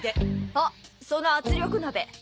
あっその圧力鍋。